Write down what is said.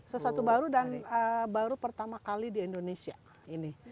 sesuatu baru dan baru pertama kali di indonesia ini